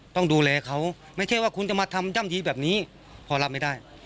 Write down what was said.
ต้องดูแลเขาไม่ใช่ว่าคุณจะมาทำย่ำทีแบบนี้พอรับไม่ได้